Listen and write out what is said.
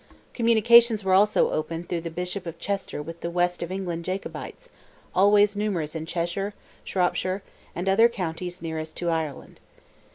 Communications were also opened through the Bishop of Chester with the west of England Jacobites, always numerous in Cheshire, Shropshire, and other counties nearest to Ireland.